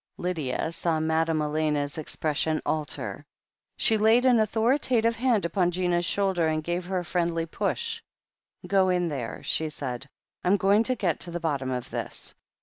Lydia saw Madame Elena's expression alter. She laid an authoritative hand upon Gina's shoulder, and gave her a friendly push. "Go in there," she said. "I'm going to get to the bottom of this."